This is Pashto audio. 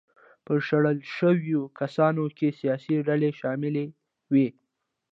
په شړل شویو کسانو کې سیاسي ډلې شاملې وې.